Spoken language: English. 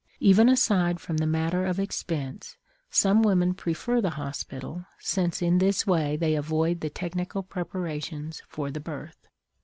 Even aside from the matter of expense some women prefer the hospital, since in this way they avoid the technical preparations for the birth.